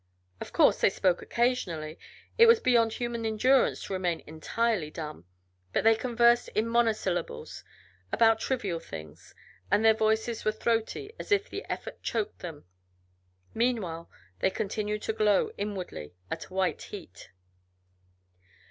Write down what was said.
Of course they spoke occasionally it was beyond human endurance to remain entirely dumb but they conversed in monosyllables, about trivial things, and their voices were throaty, as if the effort choked them. Meanwhile they continued to glow inwardly at a white heat.